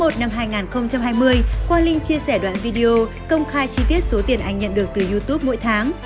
tháng một năm hai nghìn hai mươi quang linh chia sẻ đoạn video công khai chi tiết số tiền anh nhận được từ youtube mỗi tháng